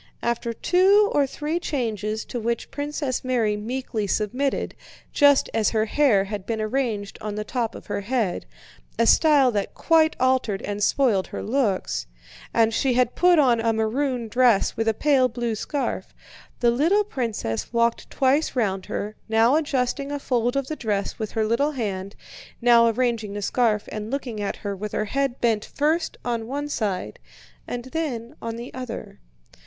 After two or three changes to which Princess Mary meekly submitted, just as her hair had been arranged on the top of her head (a style that quite altered and spoiled her looks) and she had put on a maroon dress with a pale blue scarf, the little princess walked twice round her, now adjusting a fold of the dress with her little hand, now arranging the scarf and looking at her with her head bent first on one side and then on the other.